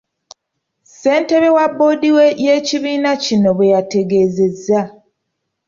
Ssentebe wa bboodi y’ekibiina kino bweyategeezezza.